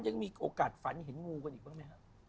ยังมีโอกาสฝันเห็นงูกันอีกบ้างไหมครับ